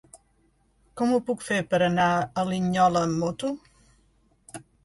Com ho puc fer per anar a Linyola amb moto?